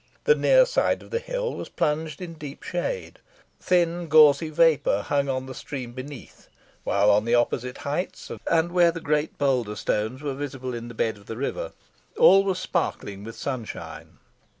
The near side of the hill was plunged in deep shade; thin, gauzy vapour hung on the stream beneath, while on the opposite heights, and where the great boulder stones were visible in the bed of the river, all was sparkling with sunshine.